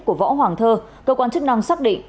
của võ hoàng thơ cơ quan chức năng xác định